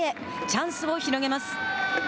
チャンスを広げます。